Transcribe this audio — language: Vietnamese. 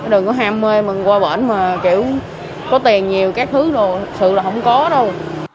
đừng có ham mê mình qua bỏnh mà kiểu có tiền nhiều các thứ đâu sự là không có đâu